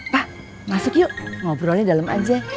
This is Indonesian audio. pak masuk yuk ngobrolnya dalam aja